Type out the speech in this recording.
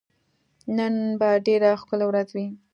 نن به ډېره ښکلی ورځ وي